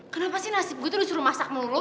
kenapa sih nasib gue tuh disuruh masak muluk